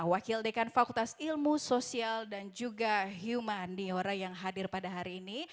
wakil dekan fakultas ilmu sosial dan juga humaniora yang hadir pada hari ini